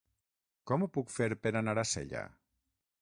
Com ho puc fer per anar a Sella?